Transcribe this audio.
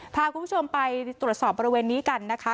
พาคุณผู้ชมไปตรวจสอบบริเวณนี้กันนะคะ